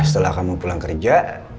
setelah kamu pulang kerja